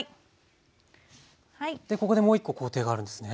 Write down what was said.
ここでもう一個工程があるんですね。